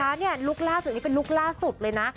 เนี่ยลุคล่าสุดนี้เป็นลุคล่าสุดเลยนะ